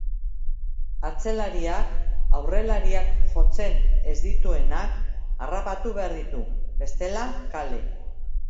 Atzelariak aurrelariak jotzen ez dituenak harrapatu behar ditu, bestela kale!